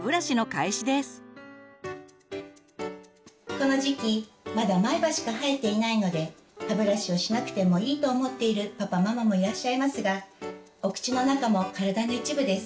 この時期まだ前歯しか生えていないので歯ブラシをしなくてもいいと思っているパパママもいらっしゃいますがお口の中も体の一部です。